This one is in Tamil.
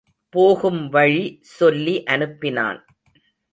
போகும்வழி சொல்லி அனுப்பினான்.